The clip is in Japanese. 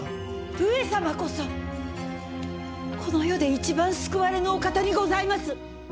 上様こそこの世で一番救われぬお方にございます！